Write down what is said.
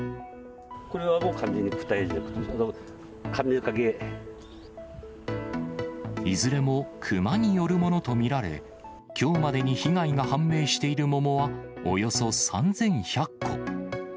これはもう完全に食ったやついずれもクマによるものと見られ、きょうまでに被害が判明している桃はおよそ３１００個。